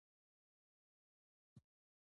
زه تا ته وایم !